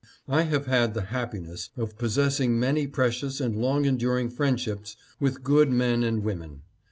I have had the happiness of possessing many precious and long enduring friendships with good men and women.